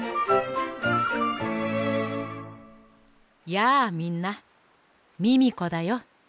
やあみんなミミコだよ。